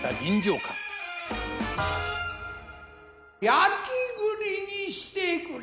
焼栗にしてくれい。